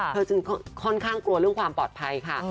จึงค่อนข้างกลัวเรื่องความปลอดภัยค่ะ